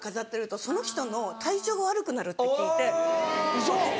ウソ。